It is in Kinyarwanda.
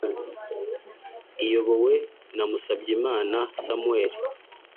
iyobowe na Musabyimana Samuel